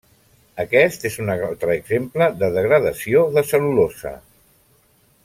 Aquest és un altre exemple de degradació de cel·lulosa.